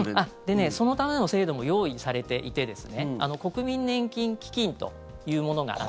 そのための制度も用意されていて国民年金基金というものがあって。